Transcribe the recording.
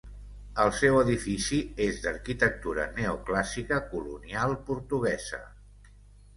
El seu edifici és d'arquitectura neoclàssica colonial portuguesa.